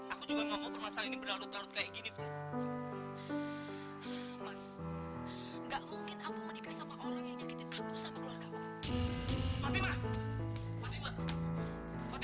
aku juga gak mau permasalahan ini berlalut lalut kaya gini fat